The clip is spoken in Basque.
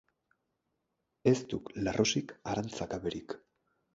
Ez duk larrosik arantza gaberik.